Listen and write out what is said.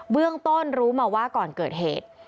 เรื่องต้นรู้มาว่าก่อนเกิดเหตุ